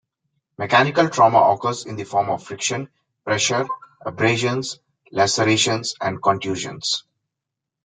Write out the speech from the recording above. Mechanical trauma occurs in the form of friction, pressure, abrasions, lacerations and contusions.